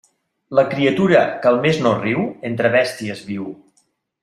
La criatura que al mes no riu, entre bèsties viu.